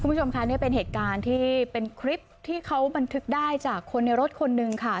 คุณผู้ชมค่ะนี่เป็นเหตุการณ์ที่เป็นคลิปที่เขาบันทึกได้จากคนในรถคนนึงค่ะ